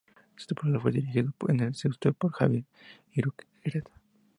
Esa temporada fue dirigido en el Sestao por Javier Irureta.